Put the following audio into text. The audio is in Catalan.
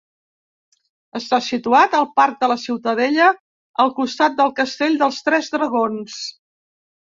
Està situat al Parc de la Ciutadella, al costat del Castell dels Tres Dragons.